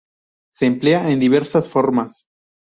Se emplea de diversas formas.